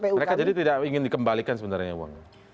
mereka jadi tidak ingin dikembalikan sebenarnya uangnya